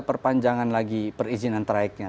perpanjangan lagi perizinan traiknya